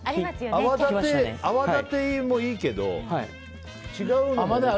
泡立てもいいけど違うのもね。